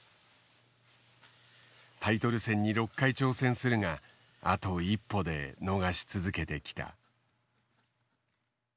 タイトル戦に６回挑戦するがあと一歩で逃し続けてきた。